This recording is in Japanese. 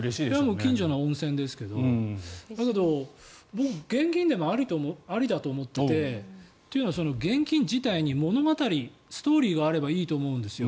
近所の温泉ですけどだけど、僕、現金でもありだと思っていてというのは現金自体に物語、ストーリーがあればいいと思うんですよ。